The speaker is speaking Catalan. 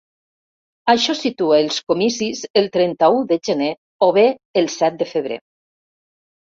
Això situa els comicis el trenta-u de gener o bé el set de febrer.